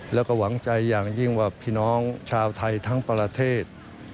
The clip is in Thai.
แล้วก็หวังใจอย่างยิ่งว่าพี่น้องชาวไทยทั้งประเทศ